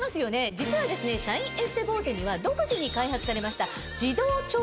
実はシャインエステボーテには独自に開発されました。